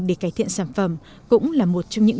để cải thiện sản phẩm cũng là một trong những